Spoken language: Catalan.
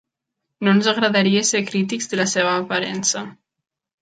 No ens agradaria ser crítics de la seva aparença.